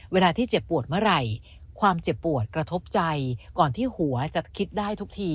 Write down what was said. เวลาที่เจ็บปวดเมื่อไหร่ความเจ็บปวดกระทบใจก่อนที่หัวจะคิดได้ทุกที